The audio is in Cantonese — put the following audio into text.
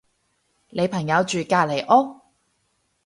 你朋友住隔離屋？